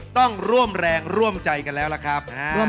ต้องร่วมเรงร่วมใจครั้งแล้วครับ